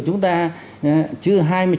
chúng ta chữ hai mươi chín